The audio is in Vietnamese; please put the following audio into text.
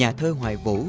nhà thơ hoài vũ